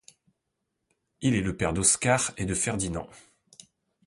Il est le père d'Oscar et de Ferdinand.